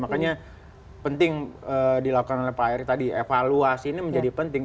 makanya penting dilakukan oleh pak erick tadi evaluasi ini menjadi penting